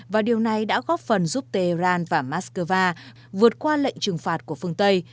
và điều này đã góp phần giúp tehran và moscow vượt qua lệnh trừng phạt của phương tây